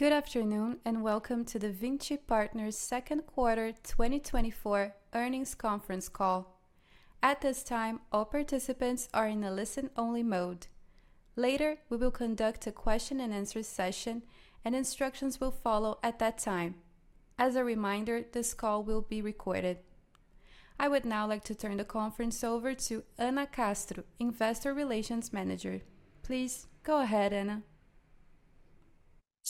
Good afternoon, and welcome to the Vinci Partners second quarter 2024 earnings conference call. At this time, all participants are in a listen-only mode. Later, we will conduct a question and answer session, and instructions will follow at that time. As a reminder, this call will be recorded. I would now like to turn the conference over to Anna Castro, Investor Relations Manager. Please go ahead, Ana.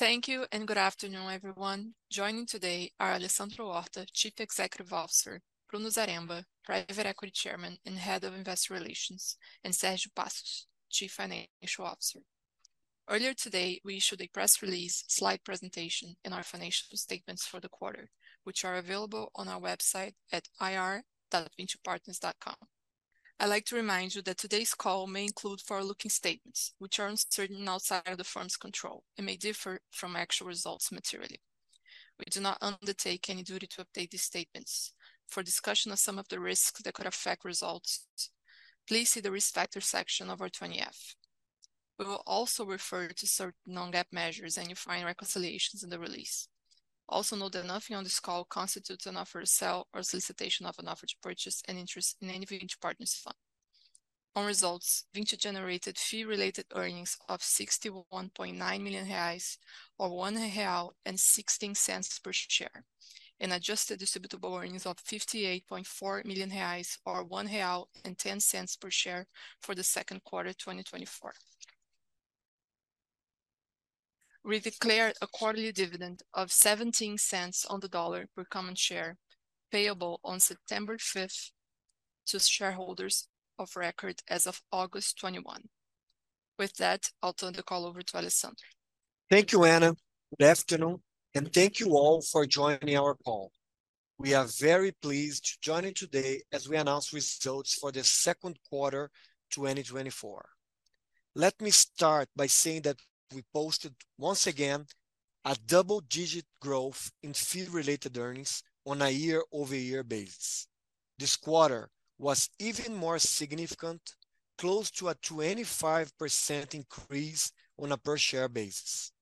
Thank you, and good afternoon, everyone. Joining today are Alessandro Horta, Chief Executive Officer; Bruno Zaremba, Private Equity Chairman and Head of Investor Relations; and Sergio Passos, Chief Financial Officer. Earlier today, we issued a press release, slide presentation, and our financial statements for the quarter, which are available on our website at ir.vincipartners.com. I'd like to remind you that today's call may include forward-looking statements, which are uncertain and outside of the firm's control and may differ from actual results materially. We do not undertake any duty to update these statements. For discussion of some of the risks that could affect results, please see the Risk Factor section of our 20-F. We will also refer to certain non-GAAP measures, and you'll find reconciliations in the release. Also, note that nothing on this call constitutes an offer to sell or solicitation of an offer to purchase an interest in any Vinci Partners fund. On results, Vinci generated fee-related earnings of 61.9 million reais, or 1.16 real per share, and adjusted distributable earnings of 58.4 million reais, or 1.10 real per share for the second quarter of 2024. We declared a quarterly dividend of $0.17 per common share, payable on September 5 to shareholders of record as of August 21. With that, I'll turn the call over to Alessandro. Thank you, Ana. Good afternoon, and thank you all for joining our call. We are very pleased you joined today as we announce results for the second quarter 2024. Let me start by saying that we posted, once again, a double-digit growth in fee-related earnings on a year-over-year basis. This quarter was even more significant, close to a 25% increase on a per-share basis.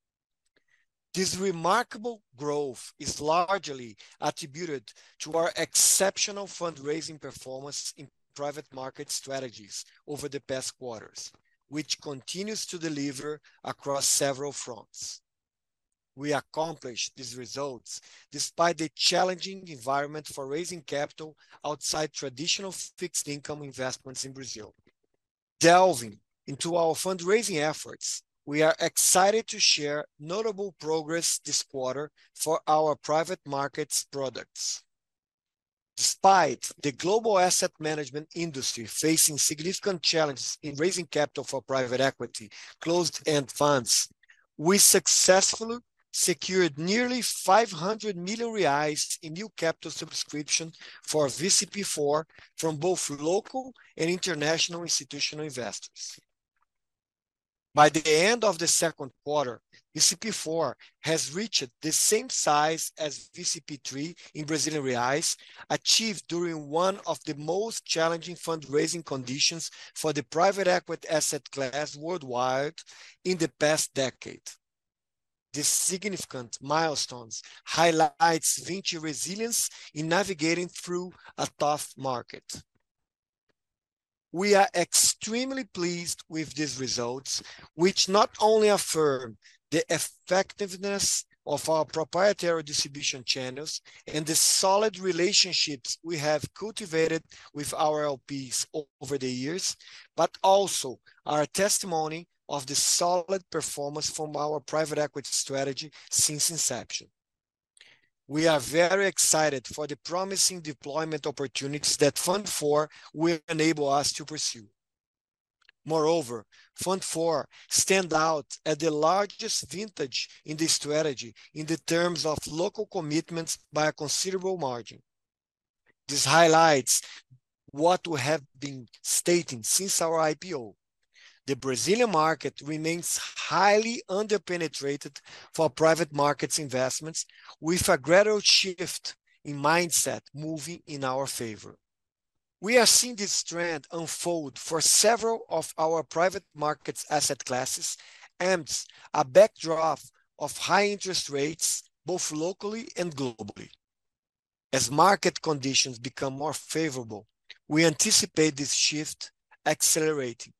This remarkable growth is largely attributed to our exceptional fundraising performance in private market strategies over the past quarters, which continues to deliver across several fronts. We accomplished these results despite the challenging environment for raising capital outside traditional fixed income investments in Brazil. Delving into our fundraising efforts, we are excited to share notable progress this quarter for our private markets products. Despite the global asset management industry facing significant challenges in raising capital for private equity, closed-end funds, we successfully secured nearly 500 million reais in new capital subscription for VCP IV from both local and international institutional investors. By the end of the second quarter, VCP IV has reached the same size as VCP III in Brazilian reais, achieved during one of the most challenging fundraising conditions for the private equity asset class worldwide in the past decade. These significant milestones highlights Vinci resilience in navigating through a tough market. We are extremely pleased with these results, which not only affirm the effectiveness of our proprietary distribution channels and the solid relationships we have cultivated with our LPs over the years, but also are a testimony of the solid performance from our private equity strategy since inception. We are very excited for the promising deployment opportunities that Fund Four will enable us to pursue. Moreover, Fund Four stand out as the largest vintage in this strategy in the terms of local commitments by a considerable margin. This highlights what we have been stating since our IPO. The Brazilian market remains highly underpenetrated for private markets investments, with a gradual shift in mindset moving in our favor. We are seeing this trend unfold for several of our private markets asset classes amidst a backdrop of high interest rates, both locally and globally. As market conditions become more favorable, we anticipate this shift accelerating.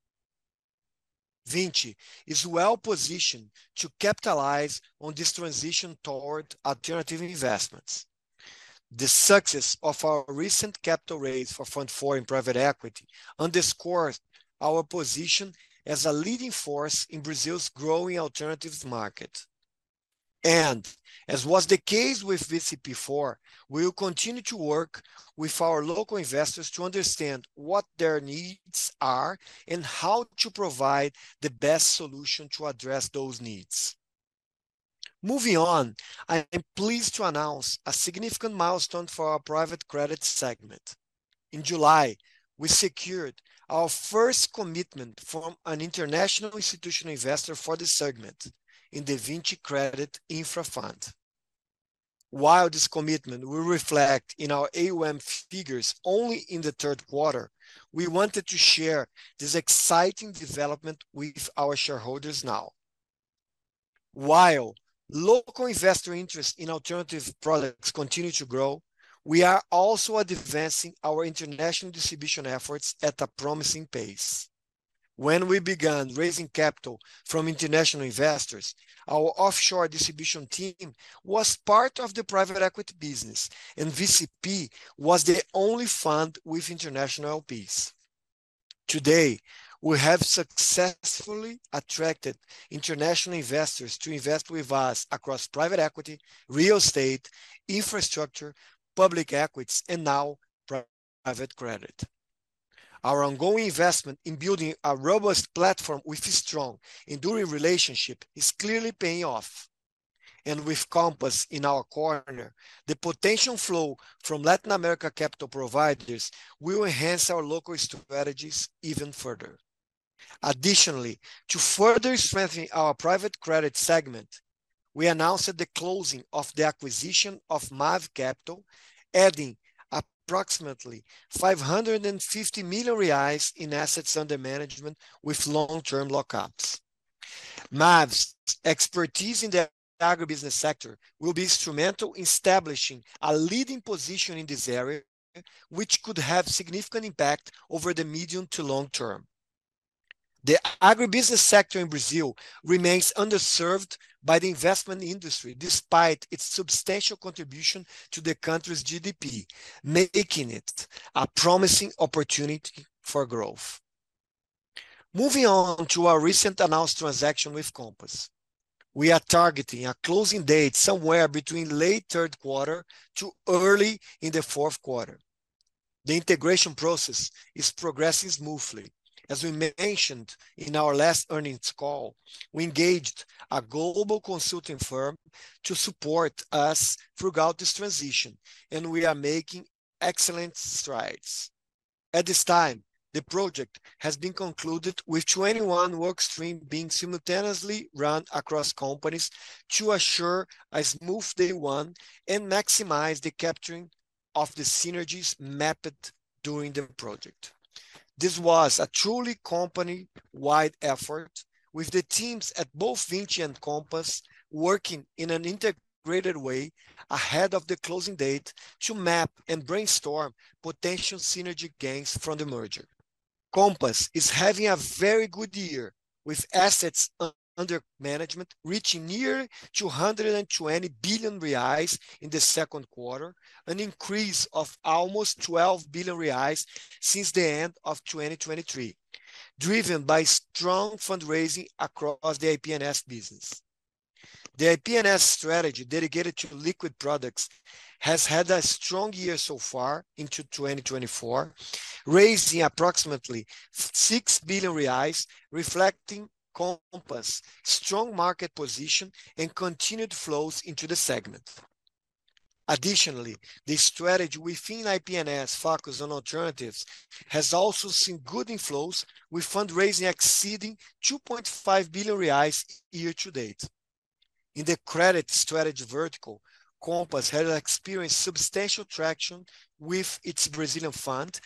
Vinci is well positioned to capitalize on this transition toward alternative investments. The success of our recent capital raise for Fund Four in private equity underscores our position as a leading force in Brazil's growing alternatives market. As was the case with VCP Four, we will continue to work with our local investors to understand what their needs are and how to provide the best solution to address those needs. Moving on, I am pleased to announce a significant milestone for our private credit segment. In July, we secured our first commitment from an international institutional investor for this segment in the Vinci Credit Infra Fund. While this commitment will reflect in our AUM figures only in the third quarter, we wanted to share this exciting development with our shareholders now. While local investor interest in alternative products continue to grow, we are also advancing our international distribution efforts at a promising pace. When we began raising capital from international investors, our offshore distribution team was part of the private equity business, and VCP was the only fund with international LPs. Today, we have successfully attracted international investors to invest with us across private equity, real estate, infrastructure, public equities, and now private credit. Our ongoing investment in building a robust platform with a strong enduring relationship is clearly paying off. With Compass in our corner, the potential flow from Latin America capital providers will enhance our local strategies even further. Additionally, to further strengthen our private credit segment, we announced the closing of the acquisition of MAV Capital, adding approximately 550 million reais in assets under management with long-term lock-ups. MAV's expertise in the agribusiness sector will be instrumental in establishing a leading position in this area, which could have significant impact over the medium to long term. The agribusiness sector in Brazil remains underserved by the investment industry, despite its substantial contribution to the country's GDP, making it a promising opportunity for growth. Moving on to our recent announced transaction with Compass, we are targeting a closing date somewhere between late third quarter to early in the fourth quarter. The integration process is progressing smoothly. As we mentioned in our last earnings call, we engaged a global consulting firm to support us throughout this transition, and we are making excellent strides. At this time, the project has been concluded, with 21 work streams being simultaneously run across companies to assure a smooth day one and maximize the capturing of the synergies mapped during the project. This was a truly company-wide effort, with the teams at both Vinci and Compass working in an integrated way ahead of the closing date to map and brainstorm potential synergy gains from the merger. Compass is having a very good year, with assets under management reaching near 220 billion reais in the second quarter, an increase of almost 12 billion reais since the end of 2023, driven by strong fundraising across the IP&N business. The IP&S strategy, dedicated to liquid products, has had a strong year so far into 2024, raising approximately 6 billion reais, reflecting Compass' strong market position and continued flows into the segment. Additionally, the strategy within IP&S focused on alternatives has also seen good inflows, with fundraising exceeding 2.5 billion reais year to date. In the credit strategy vertical, Compass has experienced substantial traction with its Brazilian fund,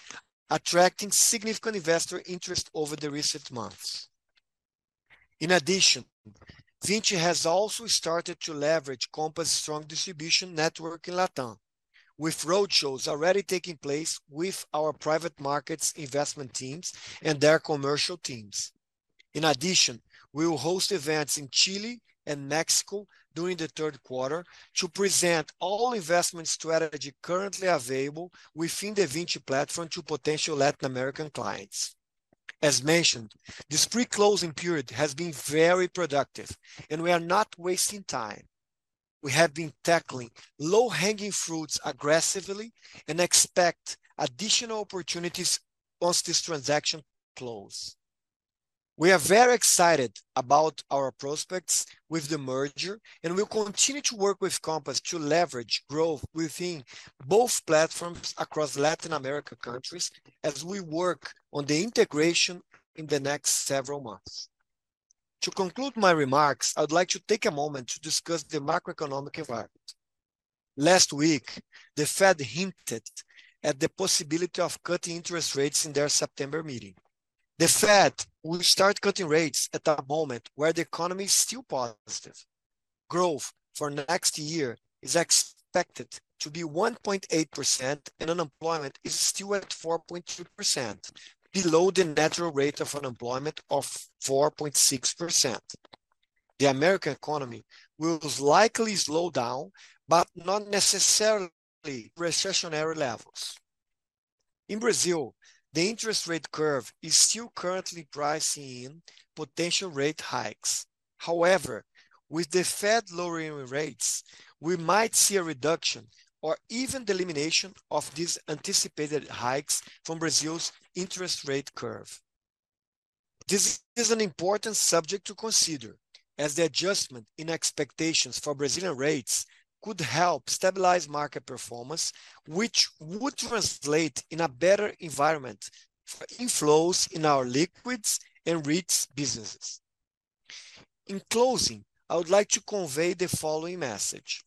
attracting significant investor interest over the recent months. In addition, Vinci has also started to leverage Compass' strong distribution network in Latin America, with road shows already taking place with our private markets investment teams and their commercial teams. In addition, we will host events in Chile and Mexico during the third quarter to present all investment strategy currently available within the Vinci platform to potential Latin American clients. As mentioned, this pre-closing period has been very productive, and we are not wasting time. We have been tackling low-hanging fruits aggressively and expect additional opportunities once this transaction close. We are very excited about our prospects with the merger, and we'll continue to work with Compass to leverage growth within both platforms across Latin America countries as we work on the integration in the next several months. To conclude my remarks, I would like to take a moment to discuss the macroeconomic environment. Last week, the Fed hinted at the possibility of cutting interest rates in their September meeting. The Fed will start cutting rates at a moment where the economy is still positive. Growth for next year is expected to be 1.8%, and unemployment is still at 4.2%, below the natural rate of unemployment of 4.6%. The American economy will likely slow down, but not necessarily recessionary levels. In Brazil, the interest rate curve is still currently pricing in potential rate hikes. However, with the Fed lowering rates, we might see a reduction or even the elimination of these anticipated hikes from Brazil's interest rate curve. This is an important subject to consider, as the adjustment in expectations for Brazilian rates could help stabilize market performance, which would translate in a better environment for inflows in our liquids and REITs businesses. In closing, I would like to convey the following message: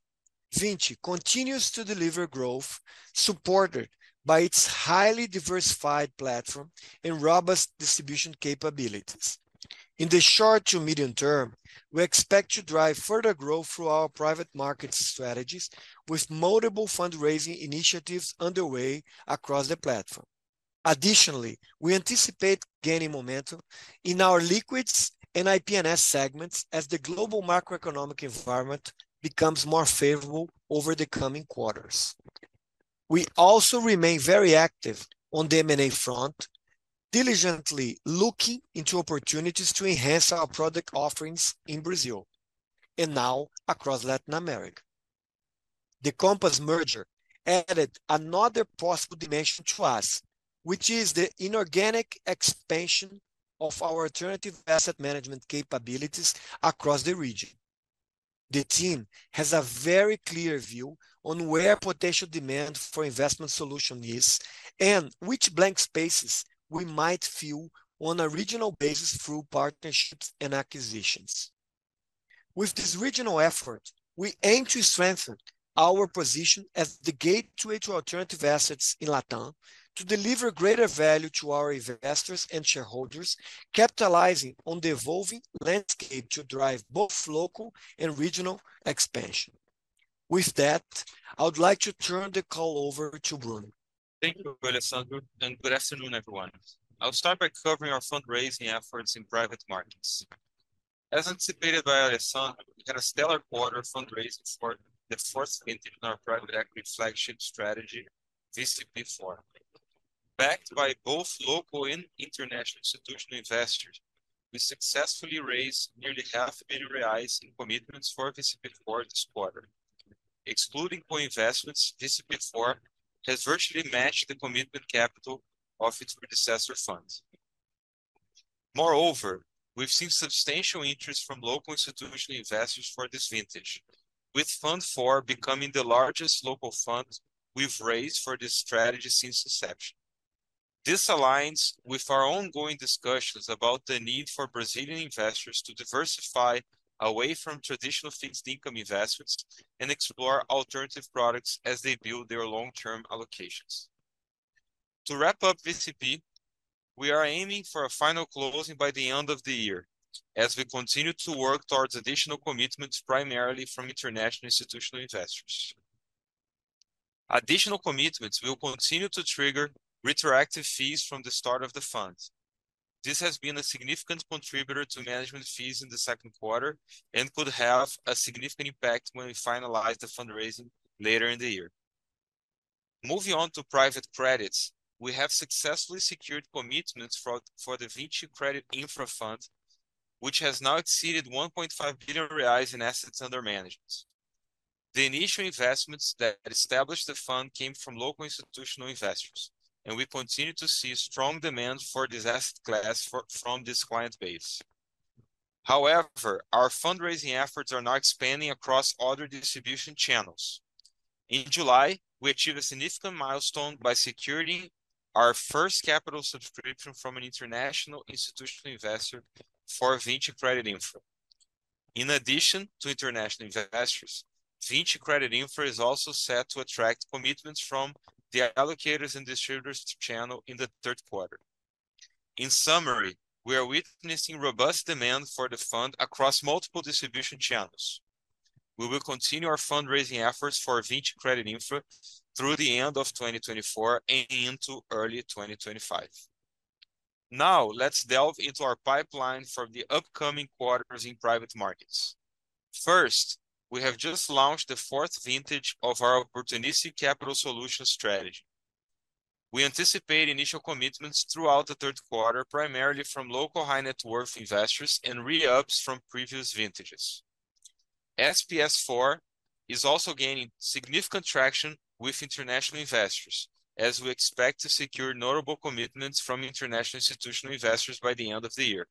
Vinci continues to deliver growth supported by its highly diversified platform and robust distribution capabilities. In the short to medium term, we expect to drive further growth through our private market strategies, with multiple fundraising initiatives underway across the platform. Additionally, we anticipate gaining momentum in our liquids and IPNS segments as the global macroeconomic environment becomes more favorable over the coming quarters. We also remain very active on the M&A front, diligently looking into opportunities to enhance our product offerings in Brazil and now across Latin America. The Compass merger added another possible dimension to us, which is the inorganic expansion of our alternative asset management capabilities across the region. The team has a very clear view on where potential demand for investment solution is, and which blank spaces we might fill on a regional basis through partnerships and acquisitions. With this regional effort, we aim to strengthen our position as the gateway to alternative assets in Latam, to deliver greater value to our investors and shareholders, capitalizing on the evolving landscape to drive both local and regional expansion. With that, I would like to turn the call over to Bruno. Thank you, Alessandro, and good afternoon, everyone. I'll start by covering our fundraising efforts in private markets. As anticipated by Alessandro, we had a stellar quarter fundraising for the fourth vintage in our private equity flagship strategy, VCP Four. Backed by both local and international institutional investors, we successfully raised nearly 500 million reais in commitments for VCP Four this quarter. Excluding co-investments, VCP Four has virtually matched the committed capital of its predecessor funds. Moreover, we've seen substantial interest from local institutional investors for this vintage, with Fund Four becoming the largest local fund we've raised for this strategy since inception. This aligns with our ongoing discussions about the need for Brazilian investors to diversify away from traditional fixed income investments and explore alternative products as they build their long-term allocations. To wrap up VCP, we are aiming for a final closing by the end of the year, as we continue to work towards additional commitments, primarily from international institutional investors. Additional commitments will continue to trigger retroactive fees from the start of the fund. This has been a significant contributor to management fees in the second quarter and could have a significant impact when we finalize the fundraising later in the year. Moving on to private credits, we have successfully secured commitments for the Vinci Credit Infra Fund, which has now exceeded 1.5 billion reais in assets under management. The initial investments that established the fund came from local institutional investors, and we continue to see strong demand for this asset class from this client base. However, our fundraising efforts are now expanding across other distribution channels. In July, we achieved a significant milestone by securing our first capital subscription from an international institutional investor for Vinci Credit Infra. In addition to international investors, Vinci Credit Infra is also set to attract commitments from the allocators and distributors channel in the third quarter. In summary, we are witnessing robust demand for the fund across multiple distribution channels. We will continue our fundraising efforts for Vinci Credit Infra through the end of 2024 and into early 2025. Now, let's delve into our pipeline for the upcoming quarters in private markets. First, we have just launched the fourth vintage of our Opportunistic Capital Solutions strategy. We anticipate initial commitments throughout the third quarter, primarily from local high net worth investors and re-ups from previous vintages. SPS IV is also gaining significant traction with international investors, as we expect to secure notable commitments from international institutional investors by the end of the year.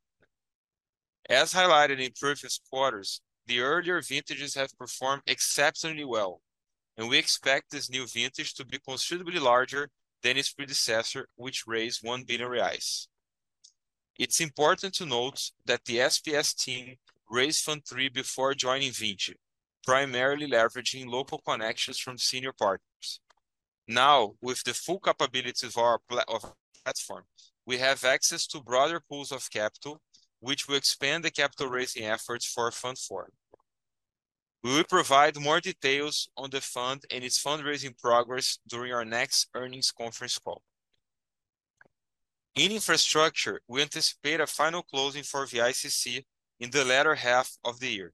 As highlighted in previous quarters, the earlier vintages have performed exceptionally well, and we expect this new vintage to be considerably larger than its predecessor, which raised 1 billion reais. It's important to note that the SPS team raised Fund Three before joining Vinci, primarily leveraging local connections from senior partners. Now, with the full capabilities of our platform, we have access to broader pools of capital, which will expand the capital raising efforts for Fund Four. We will provide more details on the fund and its fundraising progress during our next earnings conference call. In infrastructure, we anticipate a final closing for VICC in the latter half of the year.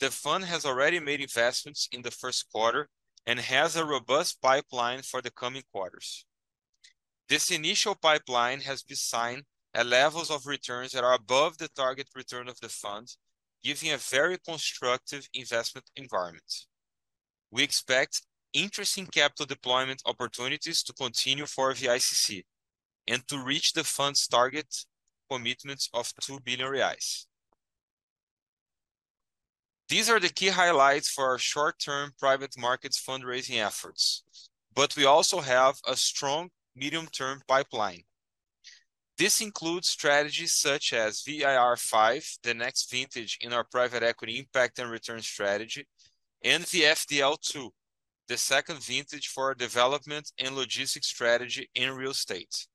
The fund has already made investments in the first quarter and has a robust pipeline for the coming quarters. This initial pipeline has been signed at levels of returns that are above the target return of the fund, giving a very constructive investment environment. We expect interesting capital deployment opportunities to continue for VICC and to reach the fund's target commitment of 2 billion reais. These are the key highlights for our short-term private markets fundraising efforts, but we also have a strong medium-term pipeline. This includes strategies such as VIR V, the next vintage in our private equity impact and return strategy, and the FDL II, the second vintage for development and logistics strategy in real estate.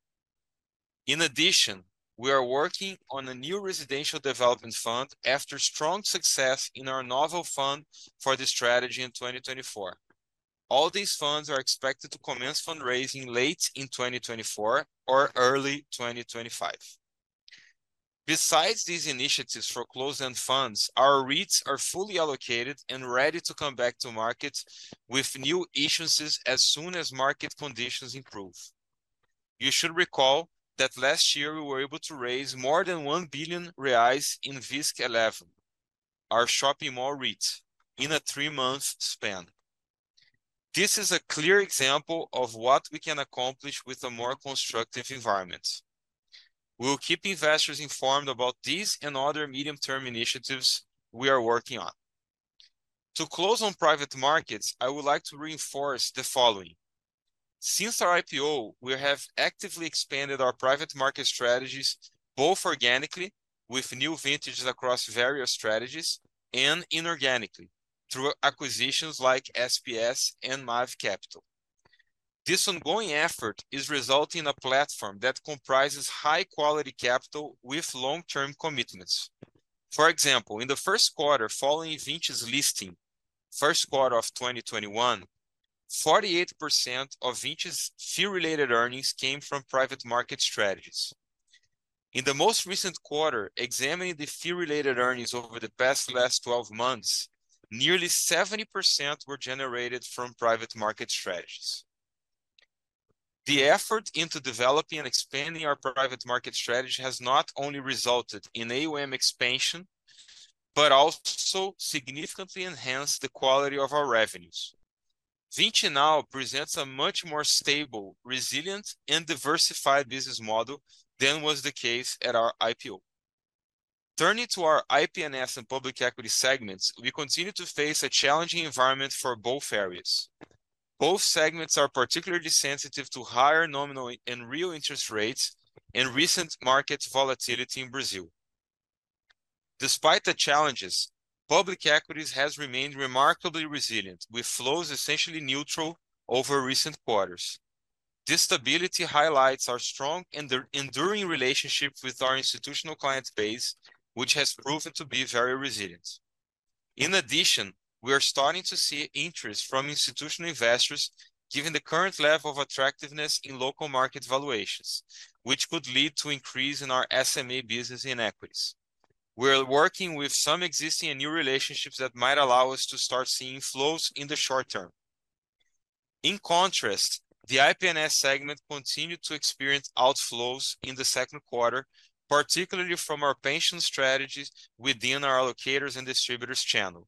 In addition, we are working on a new residential development fund after strong success in our novel fund for this strategy in 2024. All these funds are expected to commence fundraising late in 2024 or early 2025. Besides these initiatives for closed-end funds, our REITs are fully allocated and ready to come back to market with new issuances as soon as market conditions improve. You should recall that last year we were able to raise more than 1 billion reais in VISC11, our shopping mall REIT, in a 3-month span. This is a clear example of what we can accomplish with a more constructive environment. We will keep investors informed about these and other medium-term initiatives we are working on. To close on private markets, I would like to reinforce the following. Since our IPO, we have actively expanded our private market strategies, both organically, with new vintages across various strategies, and inorganically, through acquisitions like SPS and MAV Capital. This ongoing effort is resulting in a platform that comprises high-quality capital with long-term commitments. For example, in the first quarter following Vinci's listing, first quarter of 2021, 48% of Vinci's fee-related earnings came from private market strategies. In the most recent quarter, examining the fee-related earnings over the past twelve months, nearly 70% were generated from private market strategies. The effort into developing and expanding our private market strategy has not only resulted in AUM expansion, but also significantly enhanced the quality of our revenues. Vinci now presents a much more stable, resilient and diversified business model than was the case at our IPO. Turning to our IPNS and public equity segments, we continue to face a challenging environment for both areas. Both segments are particularly sensitive to higher nominal and real interest rates and recent market volatility in Brazil. Despite the challenges, public equities has remained remarkably resilient, with flows essentially neutral over recent quarters. This stability highlights our strong and enduring relationship with our institutional client base, which has proven to be very resilient. In addition, we are starting to see interest from institutional investors, given the current level of attractiveness in local market valuations, which could lead to increase in our SMA business in equities. We are working with some existing and new relationships that might allow us to start seeing flows in the short term. In contrast, the IPNS segment continued to experience outflows in the second quarter, particularly from our pension strategies within our allocators and distributors channel.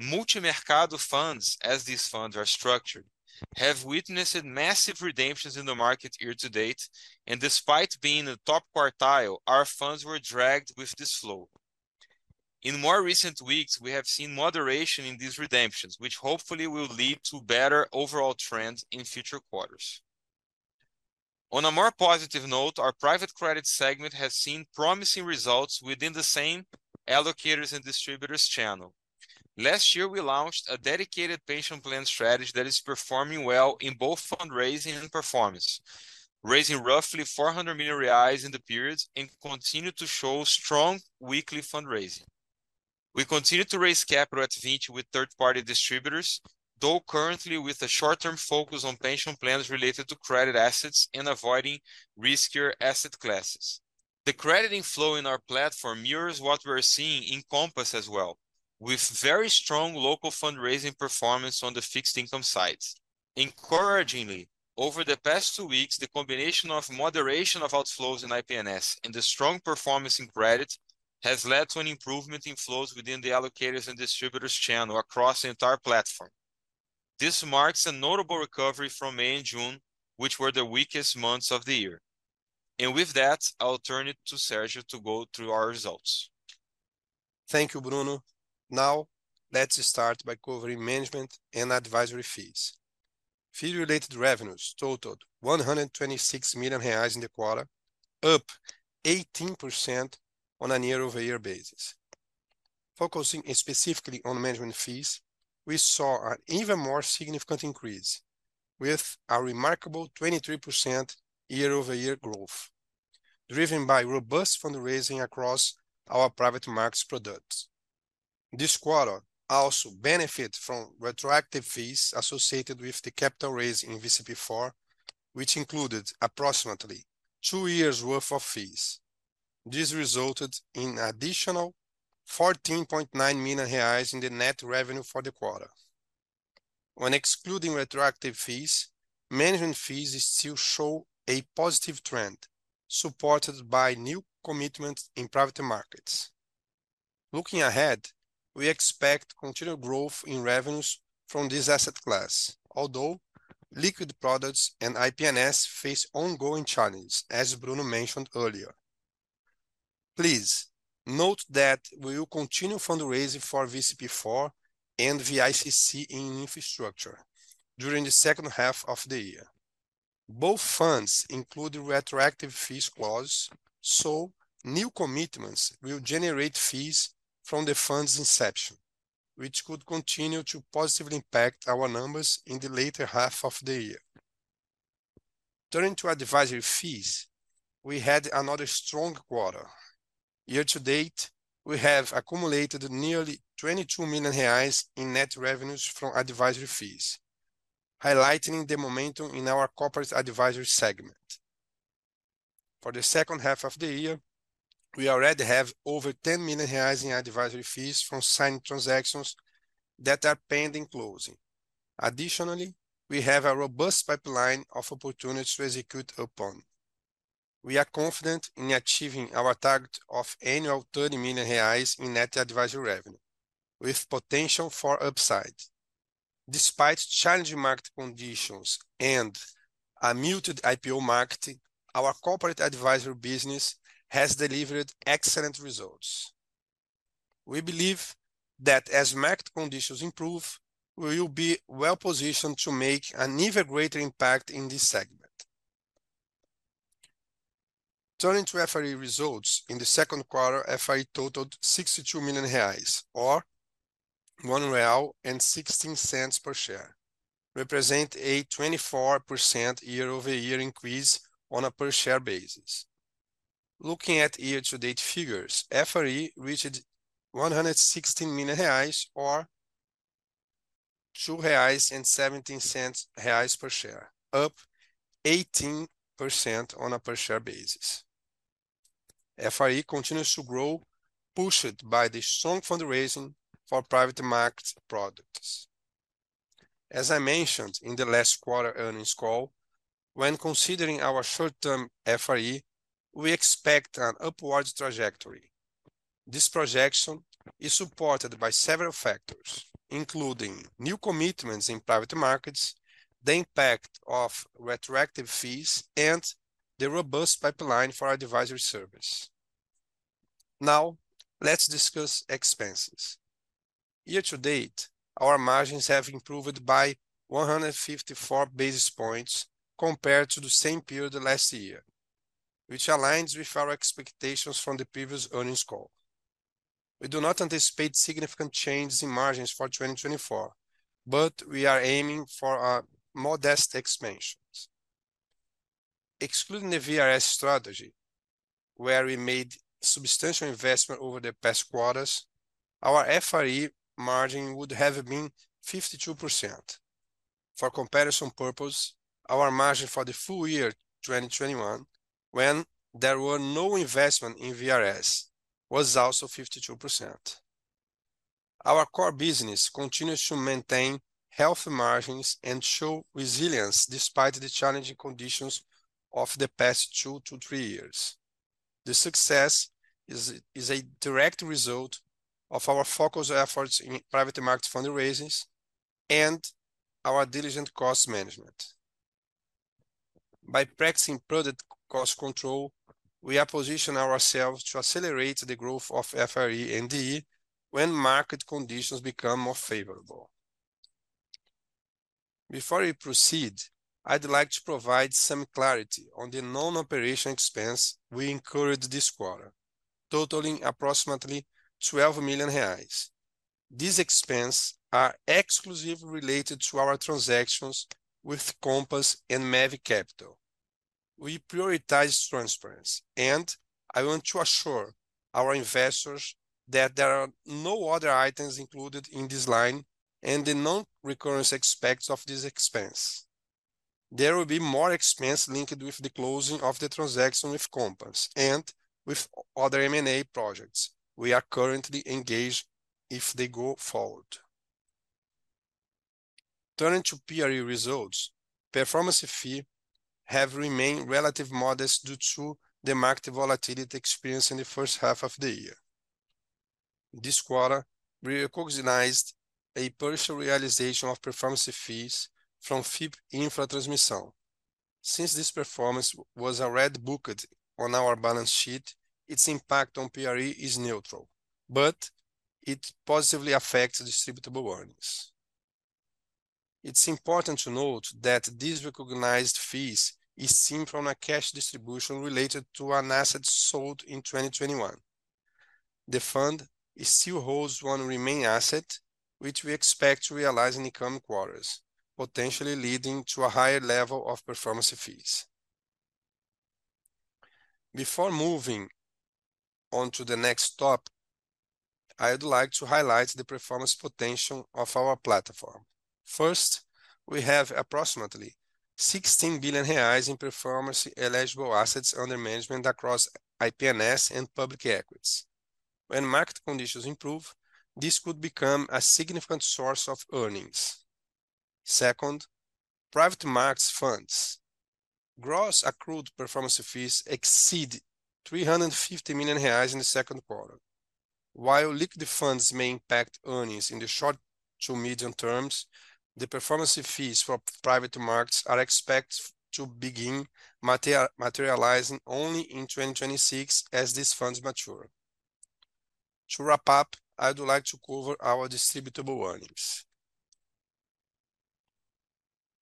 Multimercado funds, as these funds are structured, have witnessed massive redemptions in the market year to date, and despite being in the top quartile, our funds were dragged with this flow. In more recent weeks, we have seen moderation in these redemptions, which hopefully will lead to better overall trends in future quarters. On a more positive note, our private credit segment has seen promising results within the same allocators and distributors channel. Last year, we launched a dedicated pension plan strategy that is performing well in both fundraising and performance, raising roughly 400 million reais in the period, and continue to show strong weekly fundraising. We continue to raise capital at Vinci with third-party distributors, though currently with a short-term focus on pension plans related to credit assets and avoiding riskier asset classes. The crediting flow in our platform mirrors what we are seeing in Compass as well, with very strong local fundraising performance on the fixed income sides. Encouragingly, over the past two weeks, the combination of moderation of outflows in IPNS and the strong performance in credit has led to an improvement in flows within the allocators and distributors channel across the entire platform. This marks a notable recovery from May and June, which were the weakest months of the year. And with that, I'll turn it to Sergio to go through our results. Thank you, Bruno. Now, let's start by covering management and advisory fees. Fee-related revenues totaled 126 million reais in the quarter, up 18% on a year-over-year basis. Focusing specifically on management fees, we saw an even more significant increase, with a remarkable 23% year-over-year growth, driven by robust fundraising across our private markets products. This quarter also benefit from retroactive fees associated with the capital raise in VCP Four, which included approximately two years' worth of fees. This resulted in additional 14.9 million reais in the net revenue for the quarter. When excluding retroactive fees, management fees still show a positive trend, supported by new commitments in private markets. Looking ahead, we expect continued growth in revenues from this asset class, although liquid products and IPNS face ongoing challenges, as Bruno mentioned earlier. Please note that we will continue fundraising for VCP Four and VICC in infrastructure during the second half of the year. Both funds include retroactive fees clause, so new commitments will generate fees from the fund's inception, which could continue to positively impact our numbers in the latter half of the year. Turning to advisory fees, we had another strong quarter. Year to date, we have accumulated nearly 22 million reais in net revenues from advisory fees, highlighting the momentum in our corporate advisory segment. For the second half of the year, we already have over 10 million reais in advisory fees from signed transactions that are pending closing. Additionally, we have a robust pipeline of opportunities to execute upon. We are confident in achieving our target of annual 30 million reais in net advisory revenue, with potential for upside. Despite challenging market conditions and a muted IPO market, our corporate advisory business has delivered excellent results. We believe that as market conditions improve, we will be well positioned to make an even greater impact in this segment. Turning to FRE results, in the second quarter, FRE totaled 62 million reais, or 1.16 real per share, represent a 24% year-over-year increase on a per-share basis. Looking at year-to-date figures, FRE reached 116 million reais, or 2.17 reais per share, up 18% on a per-share basis. FRE continues to grow, pushed by the strong fundraising for private market products. As I mentioned in the last quarter earnings call, when considering our short-term FRE, we expect an upwards trajectory. This projection is supported by several factors, including new commitments in private markets, the impact of retroactive fees, and the robust pipeline for our advisory service. Now, let's discuss expenses. Year to date, our margins have improved by 154 basis points compared to the same period last year, which aligns with our expectations from the previous earnings call. We do not anticipate significant changes in margins for 2024, but we are aiming for a modest expansion. Excluding the VRS strategy, where we made substantial investment over the past quarters, our FRE margin would have been 52%. For comparison purpose, our margin for the full year 2021, when there were no investment in VRS, was also 52%. Our core business continues to maintain healthy margins and show resilience despite the challenging conditions of the past 2 to 3 years. The success is a direct result of our focused efforts in private market fundraisings and our diligent cost management. By practicing product cost control, we are positioning ourselves to accelerate the growth of FRE and DE when market conditions become more favorable. Before we proceed, I'd like to provide some clarity on the non-operating expense we incurred this quarter, totaling approximately 12 million reais. These expenses are exclusively related to our transactions with Compass and MAV Capital. We prioritize transparency, and I want to assure our investors that there are no other items included in this line and the non-recurring nature of this expense. There will be more expenses linked with the closing of the transaction with Compass and with other M&A projects we are currently engaged in if they go forward. Turning to FRE results, performance fee have remained relatively modest due to the market volatility experienced in the first half of the year. This quarter, we recognized a partial realization of performance fees from FIP Infra Transmissão. Since this performance was already booked on our balance sheet, its impact on FRE is neutral, but it positively affects distributable earnings. It's important to note that these recognized fees is seen from a cash distribution related to an asset sold in 2021. The fund still holds one remaining asset, which we expect to realize in the coming quarters, potentially leading to a higher level of performance fees. Before moving on to the next topic, I would like to highlight the performance potential of our platform. First, we have approximately 16 billion reais in performance eligible assets under management across IPNS and public equities. When market conditions improve, this could become a significant source of earnings. Second, private markets funds. Gross accrued performance fees exceed 350 million reais in the second quarter. While liquid funds may impact earnings in the short to medium terms, the performance fees for private markets are expected to begin materializing only in 2026 as these funds mature. To wrap up, I would like to cover our distributable earnings.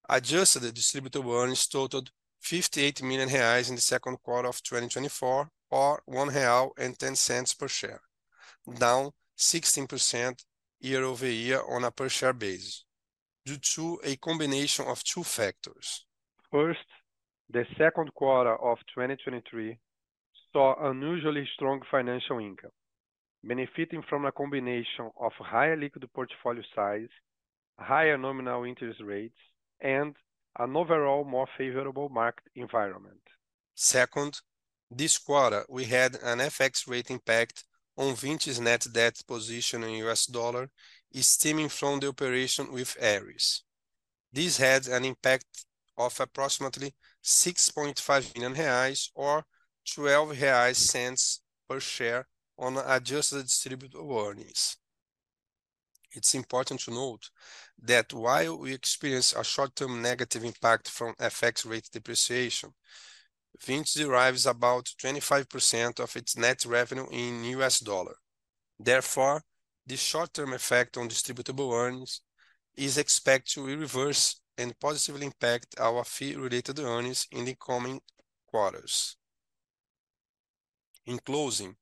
Adjusted distributable earnings totaled 58 million reais in the second quarter of 2024, or 1.10 real per share, down 16% year-over-year on a per share basis, due to a combination of two factors. First, the second quarter of 2023 saw unusually strong financial income, benefiting from a combination of higher liquid portfolio size, higher nominal interest rates, and an overall more favorable market environment. Second, this quarter, we had an FX rate impact on Vinci's net debt position in US dollar stemming from the operation with Ares. This had an impact of approximately 6.5 million reais, or 0.12 per share on adjusted distributable earnings. It's important to note that while we experienced a short-term negative impact from FX rate depreciation, Vinci derives about 25% of its net revenue in US dollar. Therefore, the short-term effect on distributable earnings is expected to reverse and positively impact our fee-related earnings in the coming quarters. In closing,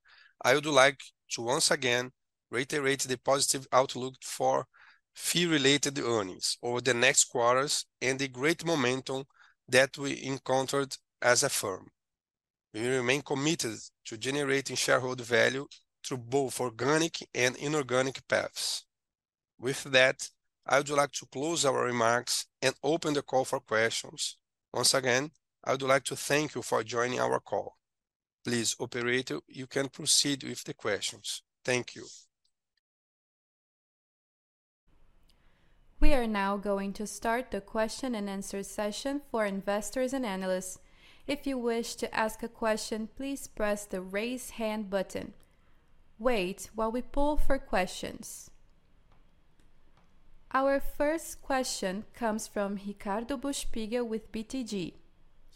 I would like to once again reiterate the positive outlook for fee-related earnings over the next quarters and the great momentum that we encountered as a firm. We remain committed to generating shareholder value through both organic and inorganic paths. With that, I would like to close our remarks and open the call for questions. Once again, I would like to thank you for joining our call. Please, operator, you can proceed with the questions. Thank you. We are now going to start the question and answer session for investors and analysts. If you wish to ask a question, please press the Raise Hand button. Wait, while we poll for questions. Our first question comes from Ricardo".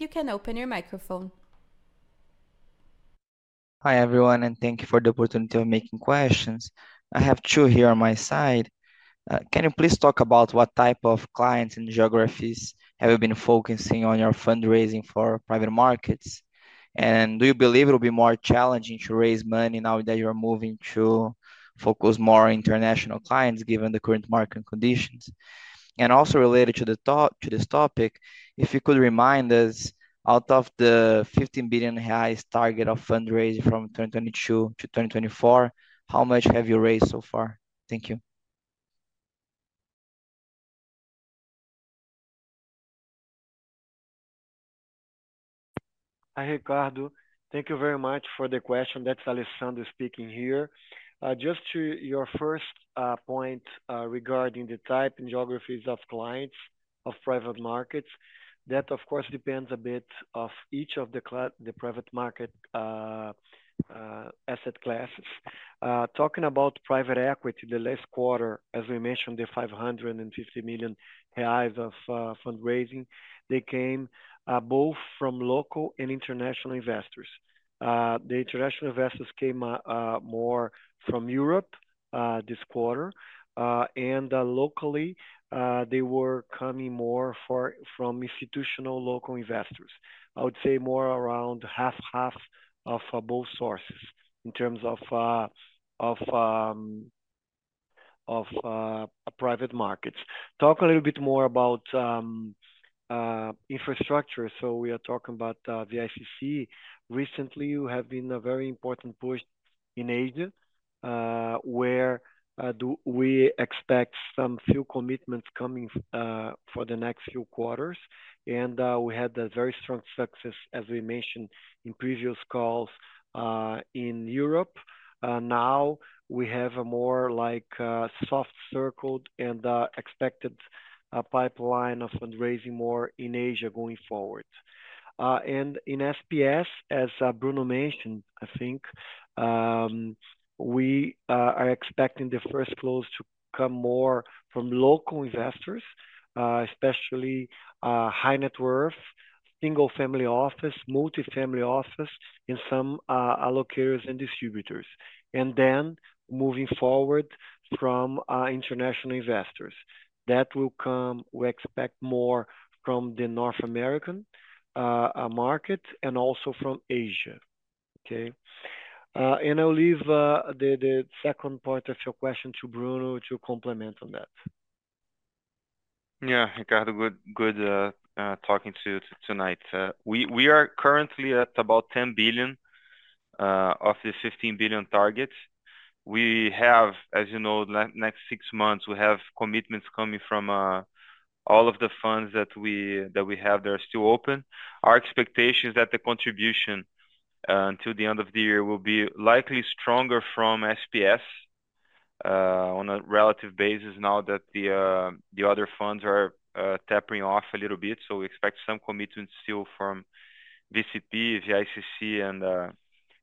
You can open your microphone. Hi, everyone, and thank you for the opportunity of making questions. I have two here on my side. Can you please talk about what type of clients and geographies have you been focusing on your fundraising for private markets? And do you believe it will be more challenging to raise money now that you are moving to focus more on international clients, given the current market conditions? And also related to this topic, if you could remind us, out of the 15 billion target of fundraising from 2022 to 2024, how much have you raised so far? Thank you. Hi, Ricardo. Thank you very much for the question. That's Alessandro speaking here. Just to your first point, regarding the type and geographies of clients of private markets, that, of course, depends a bit of each of the private market asset classes. Talking about private equity, the last quarter, as we mentioned, the 550 million reais of fundraising, they came both from local and international investors. The international investors came more from Europe this quarter, and locally, they were coming more from institutional local investors. I would say more around half-half of both sources in terms of private markets. Talk a little bit more about infrastructure. So we are talking about the VICC. Recently, you have been a very important push in Asia, where do we expect some few commitments coming for the next few quarters. And we had a very strong success, as we mentioned in previous calls, in Europe. Now we have a more like soft circled and expected pipeline of fundraising more in Asia going forward. And in SPS, as Bruno mentioned, I think, we are expecting the first close to come more from local investors, especially high net worth, single-family office, multifamily office, and some allocators and distributors. And then moving forward from international investors. That will come, we expect more from the North American market and also from Asia. Okay? And I'll leave the second point of your question to Bruno to complement on that. Yeah, Ricardo, good, good, talking to you tonight. We, we are currently at about 10 billion of the 15 billion targets. We have, as you know, the next six months, we have commitments coming from all of the funds that we, that we have that are still open. Our expectation is that the contribution until the end of the year will be likely stronger from SPS-... on a relative basis now that the other funds are tapering off a little bit. So we expect some commitments still from VCP, VICC, and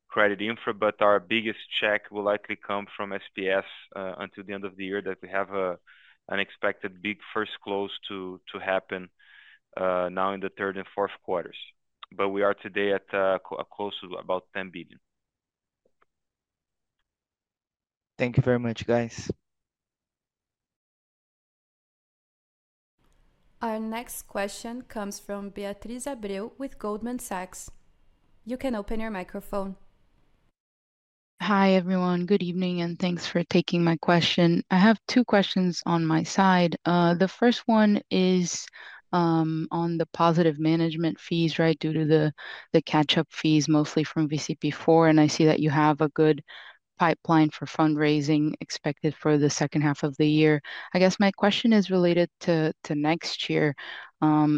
Credit Infra, but our biggest check will likely come from SPS until the end of the year, that we have an expected big first close to happen now in the third and fourth quarters. But we are today close to about 10 billion. Thank you very much, guys. Our next question comes from Beatriz Abreu with Goldman Sachs. You can open your microphone. Hi, everyone. Good evening, and thanks for taking my question. I have two questions on my side. The first one is on the positive management fees, right? Due to the catch-up fees, mostly from VCP4, and I see that you have a good pipeline for fundraising expected for the second half of the year. I guess my question is related to next year,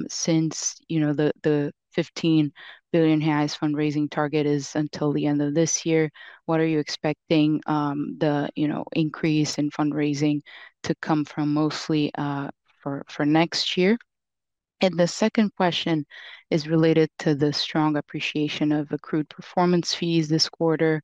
since, you know, the 15 billion highest fundraising target is until the end of this year, what are you expecting, you know, increase in fundraising to come from mostly for next year? And the second question is related to the strong appreciation of accrued performance fees this quarter.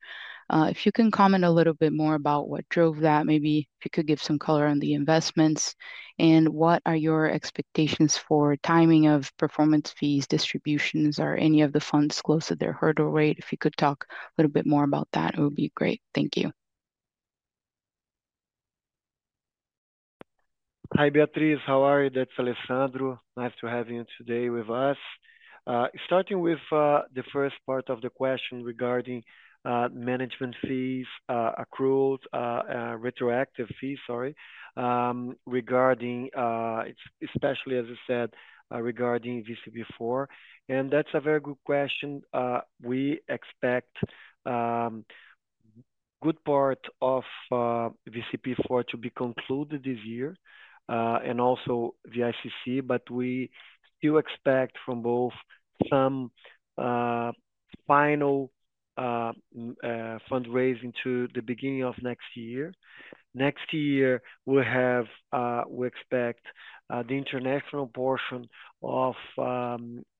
If you can comment a little bit more about what drove that, maybe if you could give some color on the investments, and what are your expectations for timing of performance fees, distributions, or any of the funds close to their hurdle rate? If you could talk a little bit more about that, it would be great. Thank you. Hi, Beatriz. How are you? That's Alessandro. Nice to have you today with us. Starting with the first part of the question regarding management fees accrued retroactive fees, sorry, regarding especially, as you said, regarding VCP4, and that's a very good question. We expect good part of VCP4 to be concluded this year, and also VICC, but we still expect from both some final fundraising to the beginning of next year. Next year, we'll have, we expect, the international portion of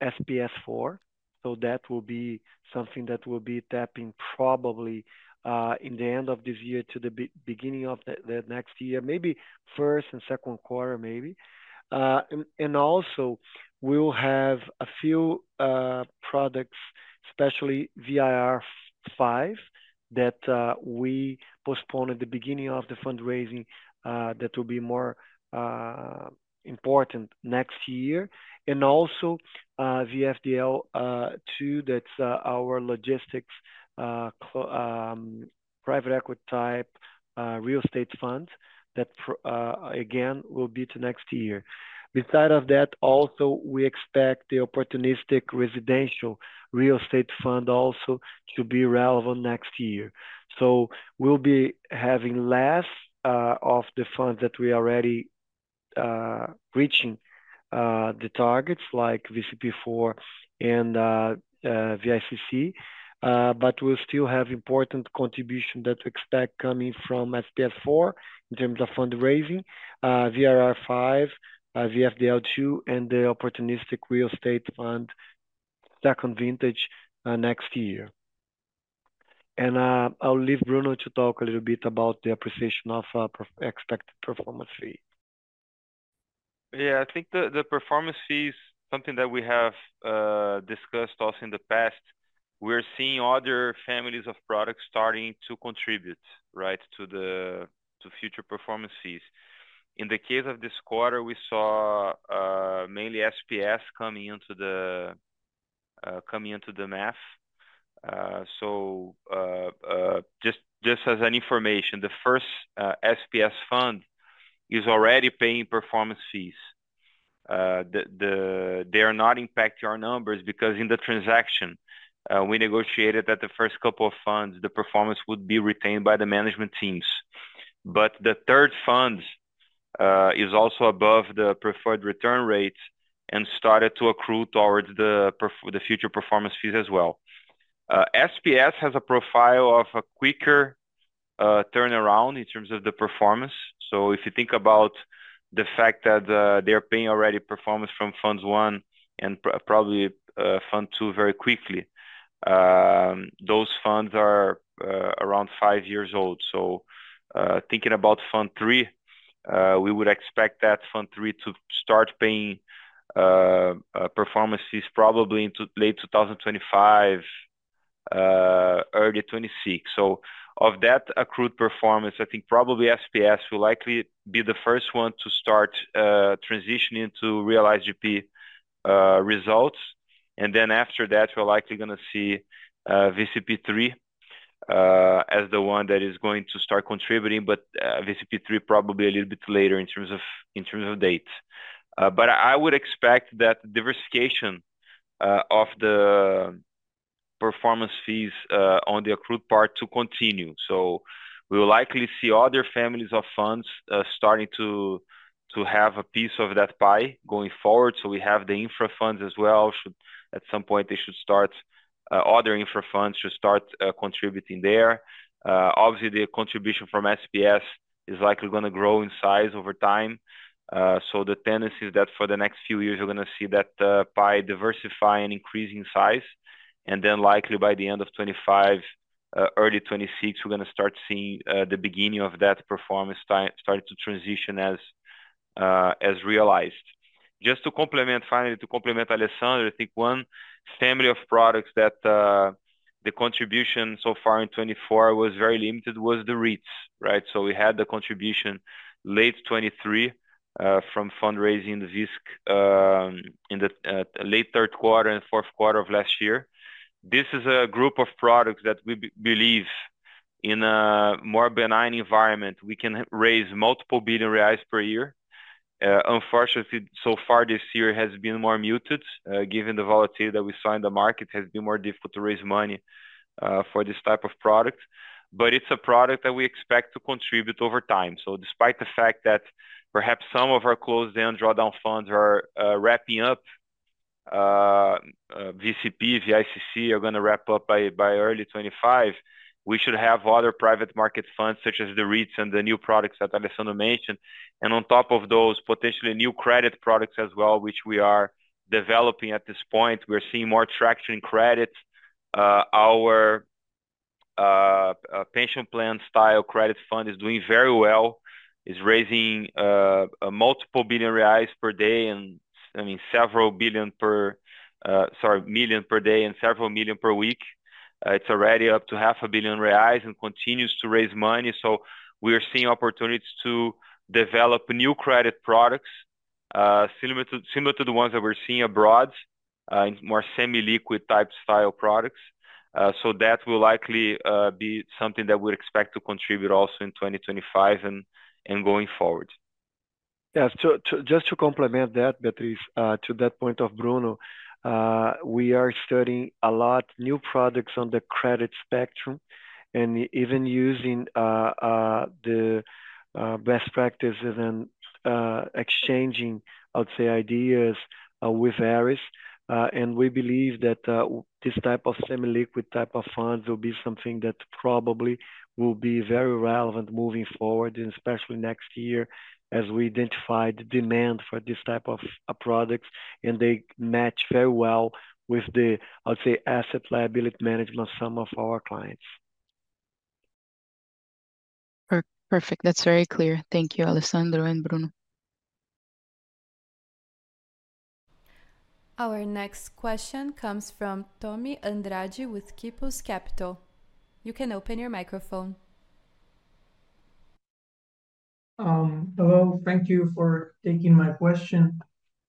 SPS4, so that will be something that will be tapping probably in the end of this year to the beginning of the next year, maybe first and second quarter, maybe. And also, we'll have a few products, especially VIR5, that we postponed at the beginning of the fundraising that will be more important next year. And also, VFDL II, that's our logistics private equity type real estate fund that, again, will be to next year. Besides that, also, we expect the opportunistic residential real estate fund also to be relevant next year. So we'll be having less of the funds that we already reaching the targets like VCP4 and VICC, but we'll still have important contribution that we expect coming from SPS4 in terms of fundraising, VIR5, VFDL II, and the opportunistic real estate fund, second vintage, next year. I'll leave Bruno to talk a little bit about the appreciation of expected performance fee. Yeah, I think the performance fee is something that we have discussed also in the past. We're seeing other families of products starting to contribute, right, to future performance fees. In the case of this quarter, we saw mainly SPS coming into the math. So, just as an information, the first SPS fund is already paying performance fees. They are not impacting our numbers because in the transaction we negotiated that the first couple of funds, the performance would be retained by the management teams. But the third fund is also above the preferred return rates and started to accrue towards the future performance fees as well. SPS has a profile of a quicker turnaround in terms of the performance. So if you think about the fact that, they're paying already performance from funds 1 and probably fund 2 very quickly, those funds are around 5 years old. So, thinking about fund 3, we would expect that fund 3 to start paying performance fees probably into late 2025, early 2026. So of that accrued performance, I think probably SPS will likely be the first one to start transitioning to realized GP results. And then after that, we're likely gonna see VCP3 as the one that is going to start contributing, but VCP3 probably a little bit later in terms of date. But I would expect that diversification of the performance fees on the accrued part to continue. So we will likely see other families of funds, starting to, to have a piece of that pie going forward. So we have the infra funds as well, should at some point they should start, other infra funds should start, contributing there. Obviously, the contribution from SPS is likely gonna grow in size over time. So the tendency is that for the next few years, we're gonna see that, pie diversify and increase in size. And then likely by the end of 2025, early 2026, we're gonna start seeing, the beginning of that performance start, starting to transition as, as realized. Just to complement, finally, to complement Alessandro, I think one family of products that, the contribution so far in 2024 was very limited was the REITs, right? So we had the contribution late 2023, from fundraising the VISC, in the late third quarter and fourth quarter of last year. This is a group of products that we believe in a more benign environment, we can raise multiple billion BRL per year. Unfortunately, so far this year has been more muted. Given the volatility that we saw in the market, it has been more difficult to raise money, for this type of product, but it's a product that we expect to contribute over time. So despite the fact that perhaps some of our closed-end drawdown funds are wrapping up, VCP, VICC are gonna wrap up by early 2025, we should have other private market funds, such as the REITs and the new products that Alessandro mentioned. And on top of those, potentially new credit products as well, which we are developing at this point. We're seeing more traction in credit. Our pension plan style credit fund is doing very well, is raising a multiple billion BRL per day, and I mean, several billion per, sorry, million BRL per day and several million BRL per week. It's already up to 500 million reais and continues to raise money. So we are seeing opportunities to develop new credit products, similar to, similar to the ones that we're seeing abroad, in more semi-liquid type style products. So that will likely be something that we'd expect to contribute also in 2025 and going forward. Yeah. So, just to complement that, Beatriz, to that point of Bruno, we are studying a lot new products on the credit spectrum, and even using the best practices and exchanging, I would say, ideas with Ares. And we believe that this type of semi-liquid type of funds will be something that probably will be very relevant moving forward, and especially next year, as we identify the demand for this type of products, and they match very well with the, I would say, asset liability management of some of our clients. Perfect. That's very clear. Thank you, Alessandro and Bruno. Our next question comes from Thomaz Andrade with Kipos Capital. You can open your microphone. Hello, thank you for taking my question.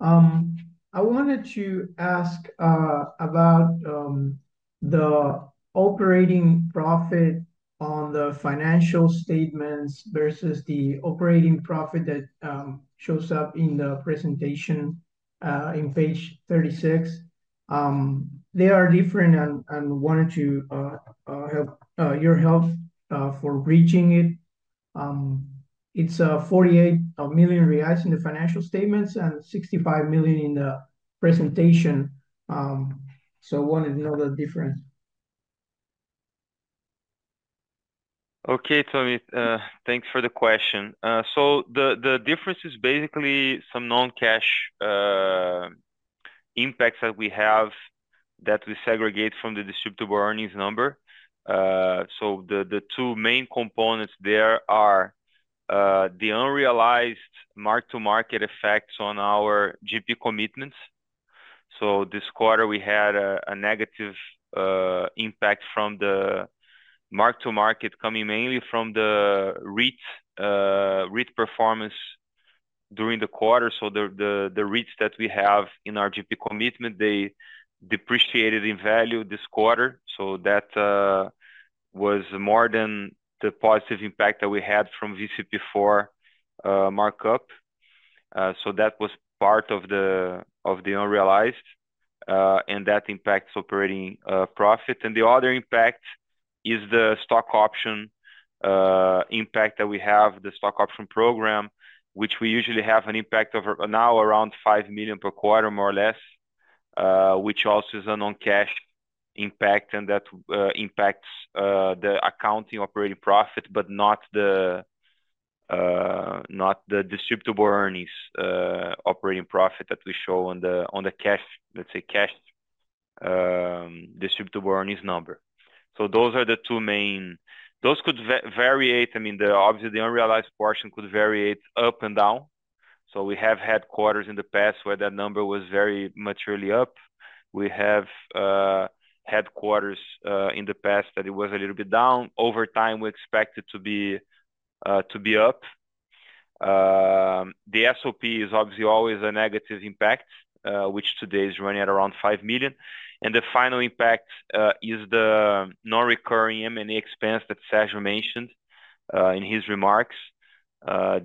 I wanted to ask about the operating profit on the financial statements versus the operating profit that shows up in the presentation in page 36. They are different, and wanted to have your help for reaching it. It's 48 million reais in the financial statements and 65 million in the presentation. So I wanted to know the difference. Okay, Tommy, thanks for the question. So the difference is basically some non-cash impacts that we have that we segregate from the distributable earnings number. So the two main components there are the unrealized mark-to-market effects on our GP commitments. So this quarter, we had a negative impact from the mark-to-market, coming mainly from the REIT performance during the quarter. So the REITs that we have in our GP commitment, they depreciated in value this quarter, so that was more than the positive impact that we had from VCP4 markup. So that was part of the unrealized and that impacts operating profit. And the other impact is the stock option impact that we have, the stock option program, which we usually have an impact of now around 5 million per quarter, more or less, which also is a non-cash impact, and that impacts the accounting operating profit, but not the distributable earnings operating profit that we show on the cash, let's say, cash distributable earnings number. So those are the two main. Those could variate, I mean, the obviously, the unrealized portion could variate up and down. So we have had quarters in the past where that number was very much really up. We have had quarters in the past that it was a little bit down. Over time, we expect it to be up. The SOP is obviously always a negative impact, which today is running at around 5 million. And the final impact is the non-recurring M&A expense that Sergio mentioned in his remarks.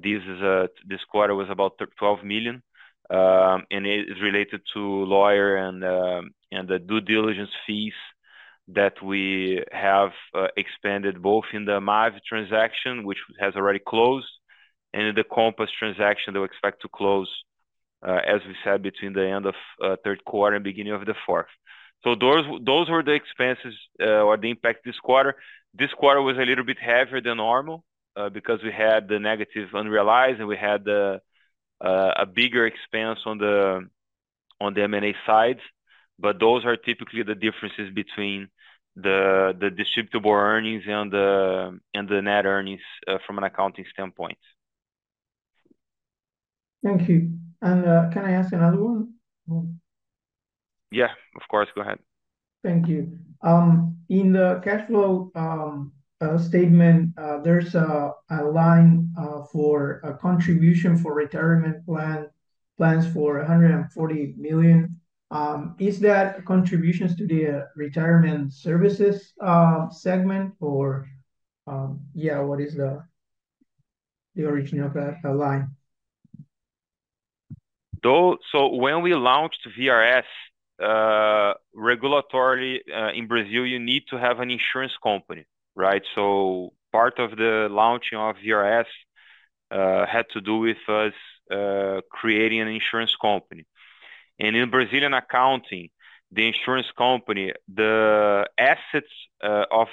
This is, this quarter was about 12 million, and it is related to lawyer and the due diligence fees that we have expanded both in the MAV transaction, which has already closed, and in the Compass transaction that we expect to close, as we said, between the end of third quarter and beginning of the fourth. So those were the expenses or the impact this quarter. This quarter was a little bit heavier than normal, because we had the negative unrealized, and we had a bigger expense on the M&A side, but those are typically the differences between the distributable earnings and the net earnings, from an accounting standpoint. Thank you. And, can I ask another one? Yeah, of course. Go ahead. Thank you. In the cash flow statement, there's a line for a contribution for retirement plans for 140 million. Is that contributions to the retirement services segment or... Yeah, what is the origin of that line? So when we launched VRS, regulatory, in Brazil, you need to have an insurance company, right? So part of the launching of VRS had to do with us creating an insurance company. And in Brazilian accounting, the insurance company, the assets of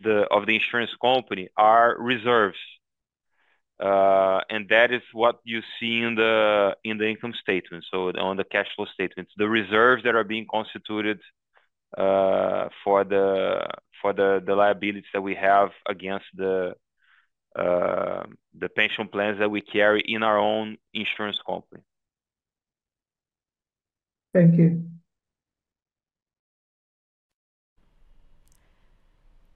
the insurance company are reserves. And that is what you see in the income statement, so on the cash flow statements. The reserves that are being constituted for the liabilities that we have against the pension plans that we carry in our own insurance company. Thank you.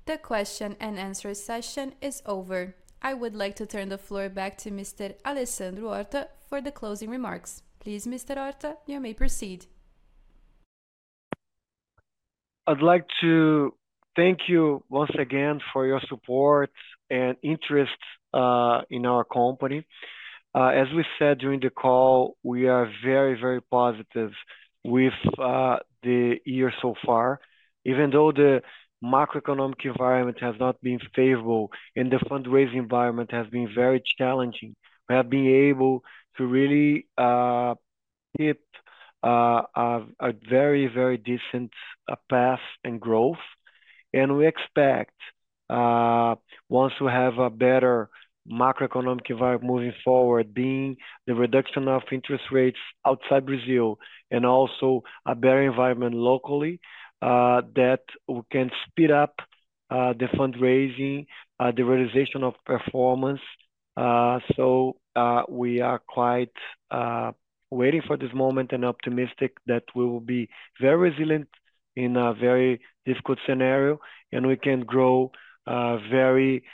The question and answer session is over. I would like to turn the floor back to Mr. Alessandro Horta for the closing remarks. Please, Mr. Horta, you may proceed. I'd like to thank you once again for your support and interest in our company. As we said during the call, we are very, very positive with the year so far. Even though the macroeconomic environment has not been favorable and the fundraising environment has been very challenging, we have been able to really keep a very, very decent path and growth. And we expect, once we have a better macroeconomic environment moving forward, being the reduction of interest rates outside Brazil and also a better environment locally, that we can speed up the fundraising, the realization of performance. So, we are quite waiting for this moment and optimistic that we will be very resilient in a very difficult scenario, and we can grow very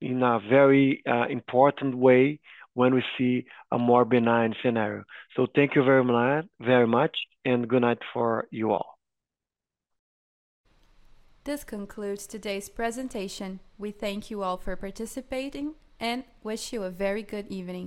in a very important way when we see a more benign scenario. So thank you very much, very much, and good night for you all. This concludes today's presentation. We thank you all for participating and wish you a very good evening.